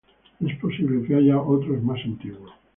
Es posible que haya otros más antiguos.